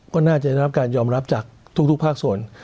ก็น่าจะได้รับการยอมรับจากทุกภาคส่วน